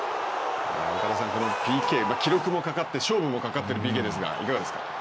岡田さん、ＰＫ記録もかかって勝負もかかっているＰＫですがいかがですか。